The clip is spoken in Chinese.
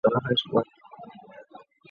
牛驼镇镇政府驻牛驼六村。